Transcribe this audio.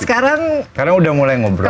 kalau sekarang udah mulai ngobrol